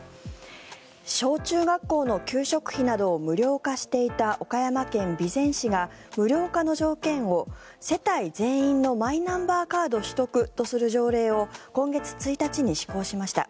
小中学校の給食費などを無料化していた岡山県備前市が無料化の条件を世帯全員のマイナンバーカード取得とする条例を今月１日に施行しました。